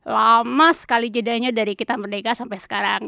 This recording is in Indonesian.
lama sekali jedanya dari kita merdeka sampai sekarang